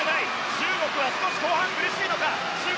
中国は後半苦しいのか。